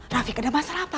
rafiq ada masalah apa